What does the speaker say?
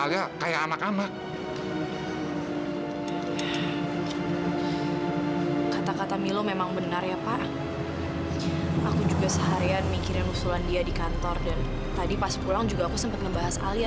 sampai jumpa di video selanjutnya